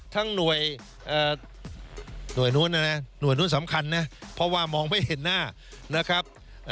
หน่วยนู้นนะนะหน่วยนู้นสำคัญนะเพราะว่ามองไม่เห็นหน้านะครับ